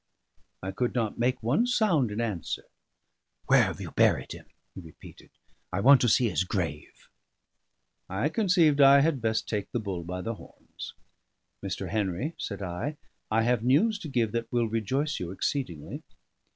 I could not make one sound in answer. "Where have you buried him?" he repeated. "I want to see his grave." I conceived I had best take the bull by the horns. "Mr. Henry," said I, "I have news to give that will rejoice you exceedingly.